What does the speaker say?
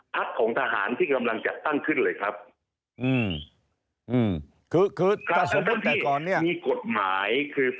พักของทหารในตงการเมนว์ตั้งขึ้นเลยครับ